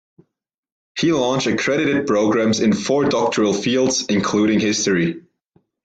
He launched accredited programs in four doctoral fields, including history.